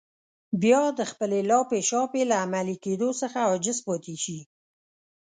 بيا د خپلې لاپې شاپې له عملي کېدو څخه عاجز پاتې شي.